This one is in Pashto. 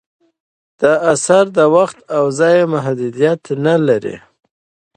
دا اثر د وخت او ځای محدودیت نه لري.